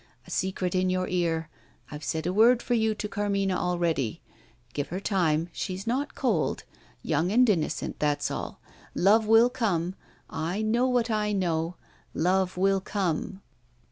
A secret in your ear I've said a word for you to Carmina already. Give her time; she's not cold; young and innocent, that's all. Love will come I know, what I know love will come."